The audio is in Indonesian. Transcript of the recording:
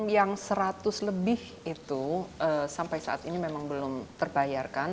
yang seratus lebih itu sampai saat ini memang belum terbayarkan